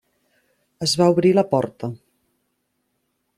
Es va obrir la porta.